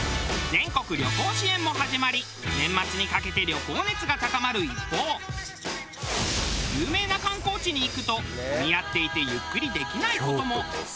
全国旅行支援も始まり年末にかけて旅行熱が高まる一方有名な観光地に行くと混み合っていてゆっくりできない事も。